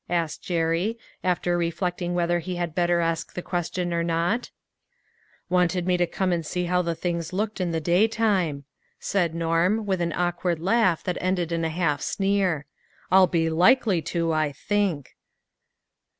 asked Jerry, after reflecting whether he had better ask the question or not. AN UNEXPECTED HELPEB. 235 " Wanted me to come and see how the things looked in the daytime," said Norm with an awkward laugh that ended in a half sneer; "I'll be likely to I think!"